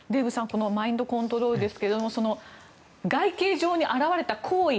このマインドコントロールですが外形上に現れた行為